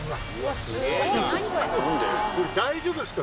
これ大丈夫ですか？